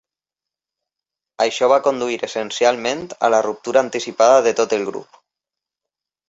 Això va conduir essencialment a la ruptura anticipada de tot el grup.